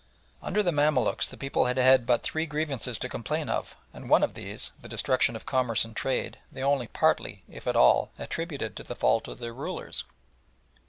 Under the Mamaluks the people had had but three grievances to complain of, and one of these, the destruction of commerce and trade, they only partly, if at all, attributed to the fault of their rulers.